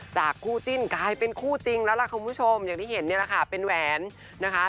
คู่จิ้นกลายเป็นคู่จริงแล้วล่ะคุณผู้ชมอย่างที่เห็นเนี่ยแหละค่ะเป็นแหวนนะคะ